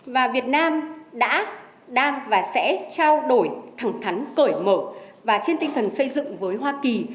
và việt nam đã đang và sẽ trao đổi thẳng thắn cởi mở và trên tinh thần xây dựng với hoa kỳ